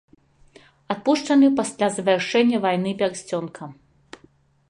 Адпушчаны пасля завяршэння вайны пярсцёнка.